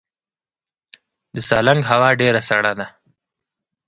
د سالنګ هوا ډیره سړه ده